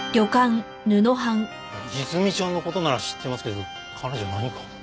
いずみちゃんの事なら知ってますけど彼女何か？